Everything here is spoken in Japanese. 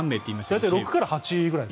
大体６から８。